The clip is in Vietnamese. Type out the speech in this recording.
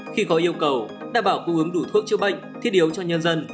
khi có yêu cầu đảm bảo cung ứng đủ thuốc chữa bệnh thiết yếu cho nhân dân